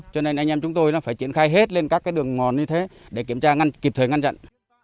cho nên anh em chúng tôi phải triển khai hết lên các đường mòn như thế để kiểm tra ngăn kịp thời ngăn chặn